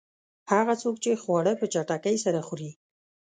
هغه څوک چې خواړه په چټکۍ سره خوري.